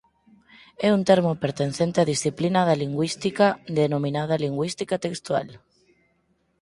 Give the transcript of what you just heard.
É un termo pertencente á disciplina da lingüística denominada lingüística textual.